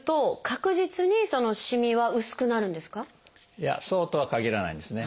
いやそうとは限らないんですね。